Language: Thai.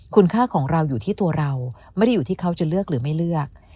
คุณค่าของเราอยู่ที่ตัวเราไม่ได้อยู่ที่เขาจะเลือกหรือไม่เลือก